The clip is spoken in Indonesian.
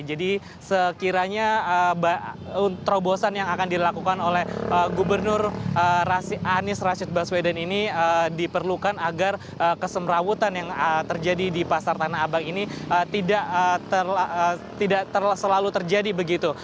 jadi sekiranya terobosan yang akan dilakukan oleh gubernur anies rashid baswedan ini diperlukan agar kesemrawutan yang terjadi di pasar tanah abang ini tidak selalu terjadi begitu